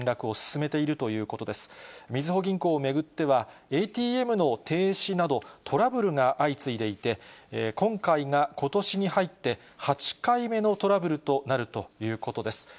みずほ銀行を巡っては、ＡＴＭの停止など、トラブルが相次いでいて、今回がことしに入って８回目のトラブルとなるということです。